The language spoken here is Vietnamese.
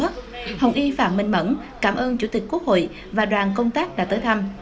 chủ tịch quốc hội chúc hồng y phạm minh mẫn cảm ơn chủ tịch quốc hội và đoàn công tác đã tới thăm